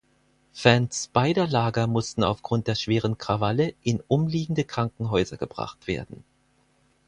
Fans beider Lager mussten aufgrund der schweren Krawalle in umliegende Krankenhäuser gebracht werden.